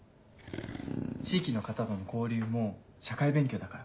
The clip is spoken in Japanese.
地域の方との交流も社会勉強だから。